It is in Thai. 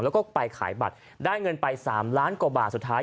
แล้วก็ไปขายบัตรได้เงินไป๓ล้านกว่าบาทสุดท้าย